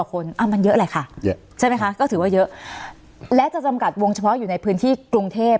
สนับสนุนโดยพี่โพเพี่ยวสะอาดใสไร้คราบ